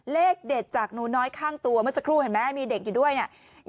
เลขเด็ดจากหนูน้อยข้างตัวเมื่อสักครู่เห็นไหมมีเด็กอยู่ด้วยเนี่ย